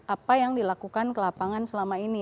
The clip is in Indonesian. apa yang dilakukan ke lapangan selama ini